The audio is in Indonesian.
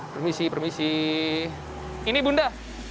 permisi permisi ini bunda